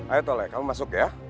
ayo tole kamu masuk ya